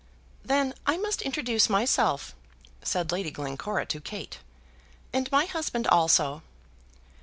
"Then I must introduce myself," said Lady Glencora to Kate, "and my husband also."